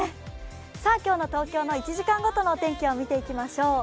今日の東京の１時間ごとのお天気を見ていきましょう。